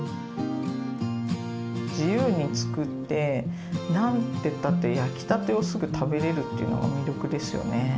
自由につくってなんてったって焼きたてをすぐ食べれるっていうのが魅力ですよね。